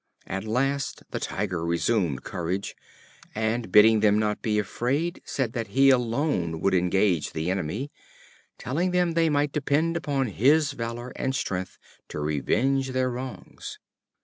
At last, the Tiger resumed courage, and, bidding them not be afraid, said that he alone would engage the enemy; telling them they might depend upon his valor and strength to revenge their wrongs.